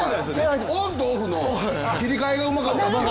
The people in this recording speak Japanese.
オンとオフの切り替えがうまかったっていう。